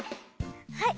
はい。